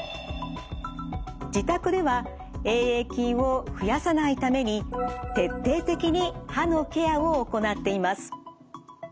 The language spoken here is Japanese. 自宅ではＡ．ａ．菌を増やさないために徹底的に歯のケアを行っています。